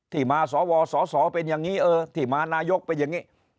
ที่มาสวสสเป็นอย่างนี้เออที่มานายกเป็นอย่างนี้